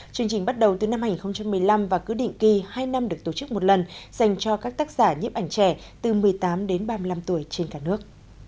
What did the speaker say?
chương trình bắt đầu từ năm hai nghìn một mươi năm và cứ định kỳ hai năm được tổ chức một lần dành cho các tác giả nhếp ảnh trẻ từ một mươi tám đến ba mươi năm tuổi trên cả nước